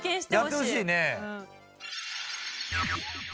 やってほしいね。